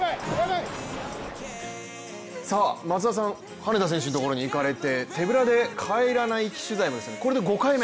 さあ、松田さん、羽根田選手のところにいかれて手ぶらで帰らない取材もこれで５回目。